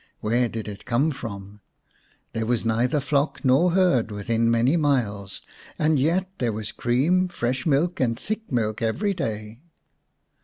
Where did it come from ? There was neither flock nor herd within many miles, and yet there was cream, fresh milk, and thick milk every day.